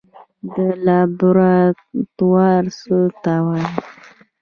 لابراتوار څه ته وایي؟